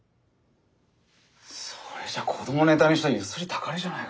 それじゃ子どもネタにしたゆすりたかりじゃないか。